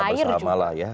pr kita bersama lah ya